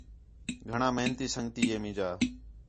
گھݨاں محنتی سنڳی ہِے میں جا